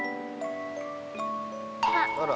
あら。